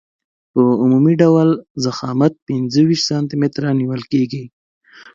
په عمومي ډول ضخامت پنځه ویشت سانتي متره نیول کیږي